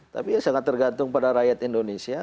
tapi ya sangat tergantung pada rakyat indonesia